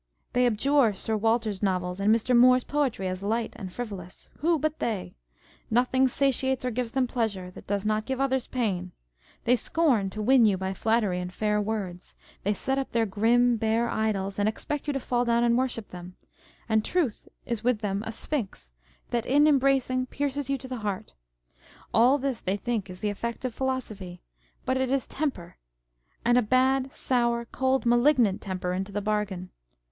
They abjure Sir Walter's novels and Mr. Moore's poetry, as light and frivolous : who but they ! Nothing satisfies or gives them pleasure that does not give others pain : they scorn to win you by flattery and fair words ; they set up their grim, bare idols, and expect you to fall down and worship them ; and truth is with them a Sphinx, that in embracing pierces you to the heart. All this they think is the effect of philosophy ; but it is temper, and a bad, sour, cold, malignant temper into the bargain.